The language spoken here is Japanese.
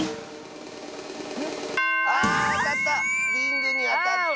ああたった！